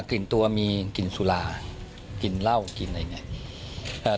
กลิ่นตัวมีกลิ่นสุรากลิ่นเหล้ากลิ่นอะไรอย่างนี้